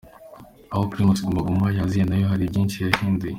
Aho Primus Guma Guma yaziye nayo hari byinshi yahinduye.